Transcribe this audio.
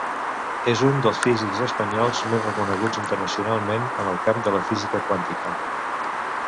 És un dels físics espanyols més reconeguts internacionalment en el camp de la física quàntica.